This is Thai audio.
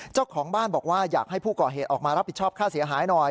เจ้าของบ้านบอกว่าอยากให้ผู้ก่อเหตุออกมารับผิดชอบค่าเสียหายหน่อย